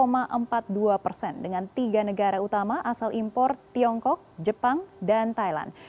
penurunan dua empat puluh dua persen dengan tiga negara utama asal impor tiongkok jepang dan thailand